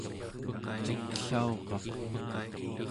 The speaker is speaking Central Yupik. ciklauraq